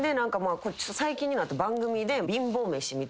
最近になって番組で。